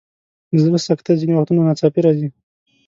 د زړه سکته ځینې وختونه ناڅاپه راځي.